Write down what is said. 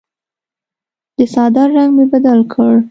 د څادر رنګ مې بدل کړ.